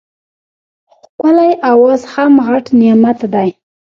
ښکلی اواز هم غټ نعمت دی.